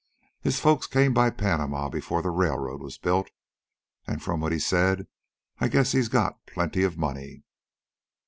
His folks came by Panama before the railroad was built, and from what he said I guess he's got plenty of money."